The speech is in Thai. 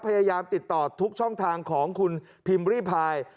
พยายามติดต่อทุกช่องทางของคุณพิมพ์ริพาย